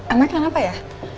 emang kenapa ya